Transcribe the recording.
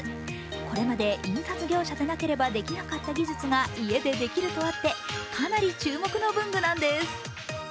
これまで印刷業者じゃなければできなかった技術が家でできるとあって、かなり注目の文具なんです。